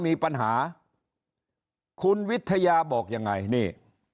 มีปัญหาคุณวิทยาบอกยังไงนี่